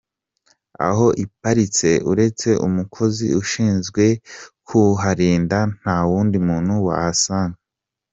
Aho iparitse, uretse umukozi ushinzwe kuharinda nta wundi muntu wahasanga.